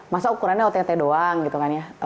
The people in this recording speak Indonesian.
masa ukurannya ott doang gitu kan ya